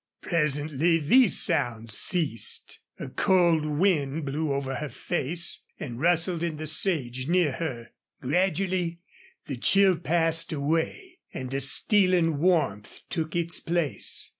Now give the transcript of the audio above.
Presently these sounds ceased. A cold wind blew over her face and rustled in the sage near her. Gradually the chill passed away, and a stealing warmth took its place.